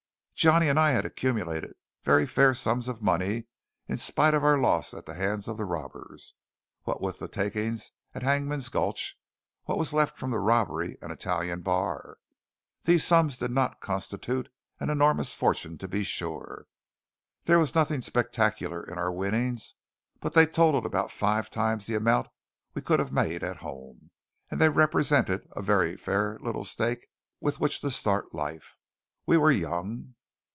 Johnny and I had accumulated very fair sums of money, in spite of our loss at the hands of the robbers, what with the takings at Hangman's Gulch, what was left from the robbery, and Italian Bar. These sums did not constitute an enormous fortune, to be sure. There was nothing spectacular in our winnings; but they totalled about five times the amount we could have made at home; and they represented a very fair little stake with which to start life. We were young.